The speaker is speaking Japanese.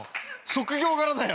職業柄だよ。